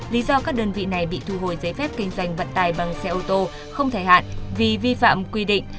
lý do các đơn vị này bị thu hồi giấy phép kinh doanh vận tài bằng xe ô tô không thời hạn vì vi phạm quy định